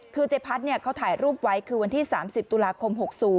คือเจ๊พัดเขาถ่ายรูปไว้คือวันที่๓๐ตุลาคม๖๐